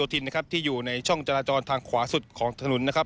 ที่อยู่ในช่องจราจรทางขวาสุดของถนนนะครับ